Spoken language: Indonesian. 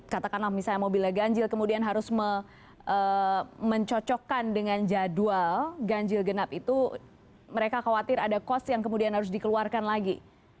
katakanlah misalnya mobilnya ganjil kemudian harus mencocokkan dengan jadwal ganjil genap itu mereka khawatir ada kos yang kemudian harus dikeluarkan lagi